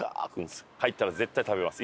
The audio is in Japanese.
帰ったら絶対食べます